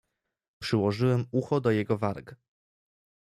"Przyłożyłem ucho do jego warg."